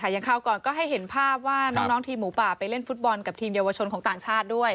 คราวก่อนก็ให้เห็นภาพว่าน้องทีมหมูป่าไปเล่นฟุตบอลกับทีมเยาวชนของต่างชาติด้วย